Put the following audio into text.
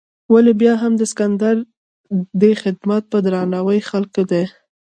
ولې بیا هم د سکندر دې خدمت په درناوي خلکو دی.